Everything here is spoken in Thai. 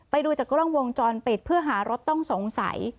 ไปดูจากกล้องวงจรปิดเพื่อหารถต้องสงสัย